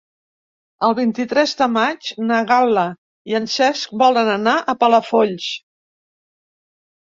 El vint-i-tres de maig na Gal·la i en Cesc volen anar a Palafolls.